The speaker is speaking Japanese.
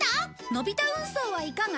のび太運送はいかが？